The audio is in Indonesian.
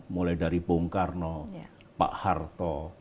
mulai dari bung karno pak harto